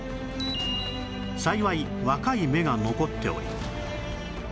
幸い若い芽が残っており